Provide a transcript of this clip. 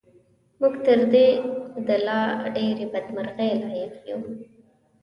موږ تر دې د لا ډېرې بدمرغۍ لایق یو.